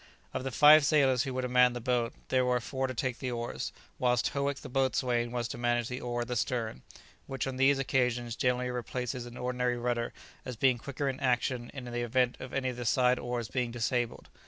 Of the five sailors who were to man the boat, there were four to take the oars, whilst Howick the boatswain was to manage the oar at the stern, which on these occasions generally replaces an ordinary rudder as being quicker in action in the event of any of the side oars being disabled.